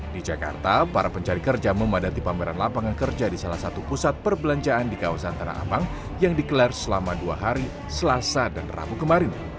di jakarta para pencari kerja memadati pameran lapangan kerja di salah satu pusat perbelanjaan di kawasan tanah abang yang dikelar selama dua hari selasa dan rabu kemarin